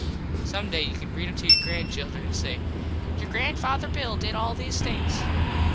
Some day you can read em to your granchildren an say "Your Granfather Bill did all these things."